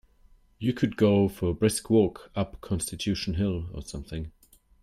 You could go for a brisk walk up Constitution Hill or something.